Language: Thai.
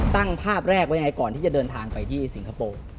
ตั้งภาพแรกว่ายังไงก่อนที่จะเดินทางไปที่สิงคโปร์